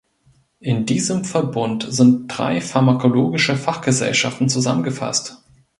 In diesem Verbund sind drei pharmakologische Fachgesellschaften zusammengefasst.